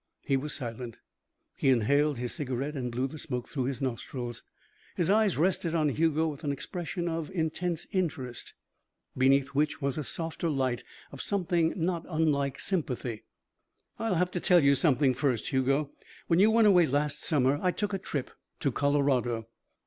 He was silent. He inhaled his cigarette and blew the smoke through his nostrils. His eyes rested on Hugo with an expression of intense interest, beneath which was a softer light of something not unlike sympathy. "I'll have to tell you something, first, Hugo. When you went away last summer, I took a trip to Colorado."